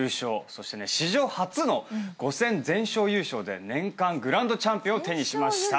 そして史上初の５戦全勝優勝で年間グランドチャンピオンを手にしました。